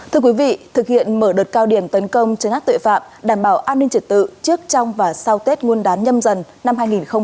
thưa quý vị thực hiện mở đợt cao điểm tấn công chấn án tội phạm đảm bảo an ninh trật tự trước trong và sau tết nguồn đán nhâm dần năm hai nghìn hai mươi hai